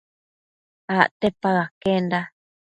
Acte paë aquenda